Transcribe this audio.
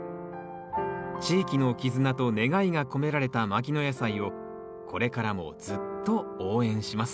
地域の絆と願いが込められた牧野野菜をこれからもずっと応援します